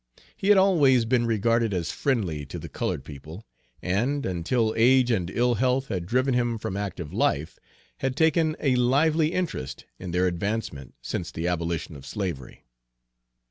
He had always been regarded as friendly to the colored people, and, until age and ill health had driven him from active life, had taken a lively interest in their advancement since the abolition of slavery.